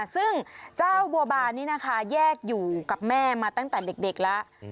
ซึ่งเจ้าบัวบานนี่นะคะแยกอยู่กับแม่มาตั้งแต่เด็กแล้ว